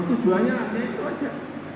tujuannya hanya itu aja